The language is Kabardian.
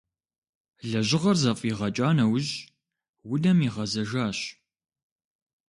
Лэжьыгъэр зэфӏигъэкӏа нэужь унэм игъэзэжащ.